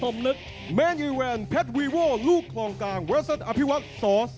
ร้องคู่เอกของเราแสนพลลูกบ้านใหญ่เทคซอลเพชรสร้างบ้านใหญ่